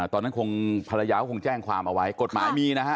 ตอนนั้นคงภรรยาก็คงแจ้งความเอาไว้กฎหมายมีนะฮะ